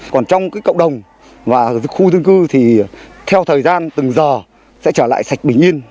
còn trong cộng đồng và khu dân cư thì theo thời gian từng giờ sẽ trở lại sạch bình yên